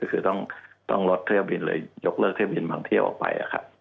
คือต้องลดเทลบินหรือยกเลิกเทลบินบางเที่ยวออกไป